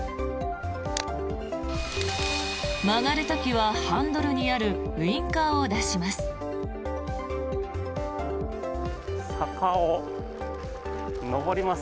曲がる時はハンドルにあるウィンカーを出します。